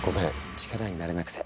力になれなくて。